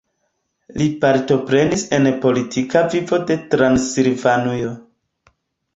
Li partoprenis en politika vivo de Transilvanujo.